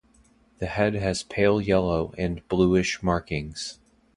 The head has pale yellow and bluish markings.